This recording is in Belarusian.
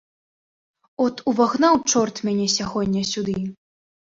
От увагнаў чорт мяне сягоння сюды!